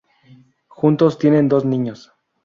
Juntos, tienen dos niños.